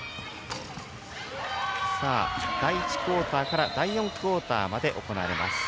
第１クオーターから第４クオーターまで行われます